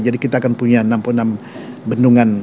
jadi kita akan punya enam puluh enam bendungan